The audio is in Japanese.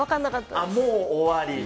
もう終わり。